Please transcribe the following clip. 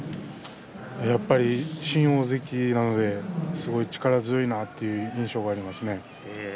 やっぱり新大関なのですごい力強いなという印象がありますね。